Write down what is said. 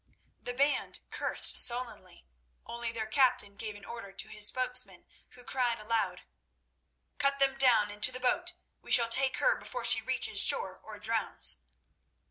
The band cursed sullenly, only their captain gave an order to his spokesman, who cried aloud: "Cut them down, and to the boat! We shall take her before she reaches shore or drowns."